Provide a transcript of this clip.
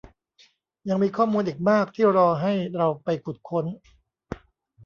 ยังมีข้อมูลอีกมากที่รอให้เราไปขุดค้น